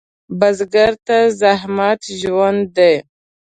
بزګر ته زحمت ژوند دی